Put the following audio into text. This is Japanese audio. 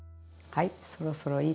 はい。